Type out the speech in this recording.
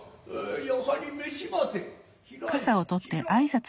やはり召しませ平に平。